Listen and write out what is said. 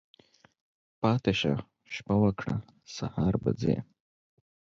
پاتی شه، شپه وکړه ، سهار به ځی.